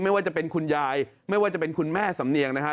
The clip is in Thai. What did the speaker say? ไม่ว่าจะเป็นคุณยายไม่ว่าจะเป็นคุณแม่สำเนียงนะฮะ